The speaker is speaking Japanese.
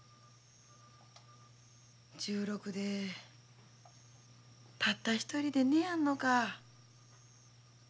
１６でたった一人で寝やんのか。